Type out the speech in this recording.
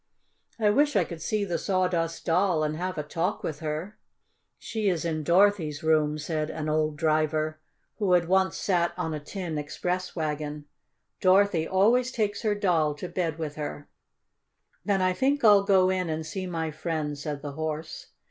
"I wish I could see the Sawdust Doll and have a talk with her." "She is in Dorothy's room," said an old Driver, who had once sat on a tin express wagon. "Dorothy always takes her doll to bed with her." "Then I think I'll go in and see my friend," said the Horse.